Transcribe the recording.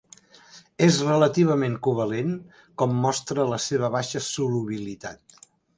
És relativament covalent com mostra la seva baixa solubilitat.